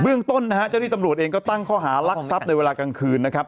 เรื่องต้นนะฮะเจ้าที่ตำรวจเองก็ตั้งข้อหารักทรัพย์ในเวลากลางคืนนะครับ